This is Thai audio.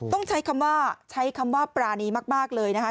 ต้องใช้คำว่าใช้คำว่าปรานีมากเลยนะคะ